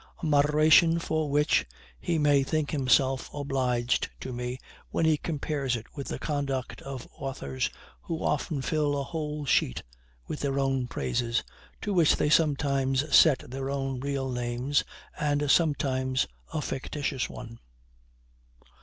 A moderation for which he may think himself obliged to me when he compares it with the conduct of authors, who often fill a whole sheet with their own praises, to which they sometimes set their own real names, and sometimes a fictitious one.